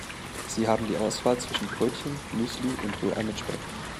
Sie haben die Auswahl zwischen Brötchen, Müsli und Rührei mit Speck.